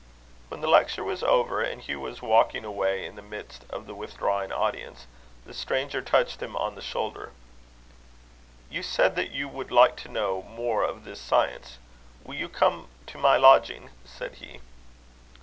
When the lecture was over, and Hugh was walking away in the midst of the withdrawing audience, the stranger touched him on the shoulder. "You said that you would like to know more of this science: will you come to my lodging?" said he.